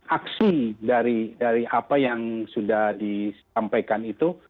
aksi dari apa yang sudah disampaikan itu